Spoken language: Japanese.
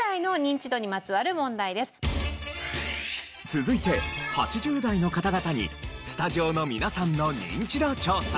続いて８０代の方々にスタジオの皆さんのニンチド調査。